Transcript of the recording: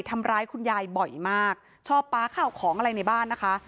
ทำร้ายคุณยายบ่อยมากชอบป๊าข้าวของอะไรในบ้านนะคะ